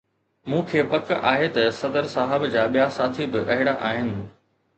مون کي پڪ آهي ته صدر صاحب جا ٻيا ساٿي به اهڙا آهن.